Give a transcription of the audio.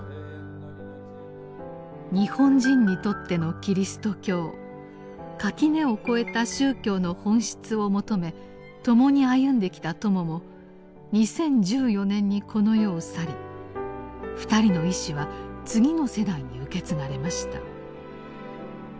日本人にとってのキリスト教垣根を越えた宗教の本質を求め共に歩んできた友も２０１４年にこの世を去り２人の遺志は次の世代に受け継がれました。